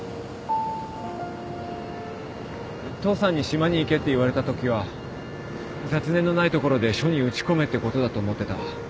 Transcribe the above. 父さんに島に行けって言われたときは雑念のないところで書に打ち込めってことだと思ってた。